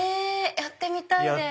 やってみたいです。